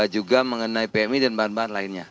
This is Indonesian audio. juga mengenai pmi dan bahan bahan lainnya